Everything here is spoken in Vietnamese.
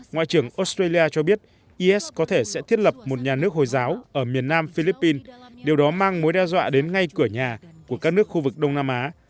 ngoại trưởng australia cho biết is có thể sẽ thiết lập một nhà nước hồi giáo ở miền nam philippines điều đó mang mối đe dọa đến ngay cửa nhà của các nước khu vực đông nam á